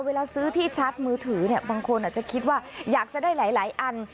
เวลาซื้อที่ชาร์จมือถือเนี่ยบางคนอาจจะคิดว่าอยากจะได้หลายอัน